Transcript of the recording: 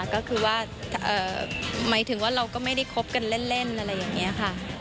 ก็คือว่าหมายถึงว่าเราก็ไม่ได้คบกันเล่นอะไรอย่างนี้ค่ะ